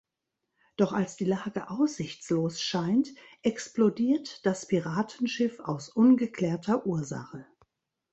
Doch als die Lage aussichtslos scheint, explodiert das Piratenschiff aus ungeklärter Ursache.